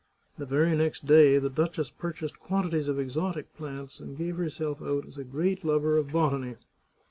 The very next day the duchess purchased quan tities of exotic plants, and gave herself out as a great lover of botany.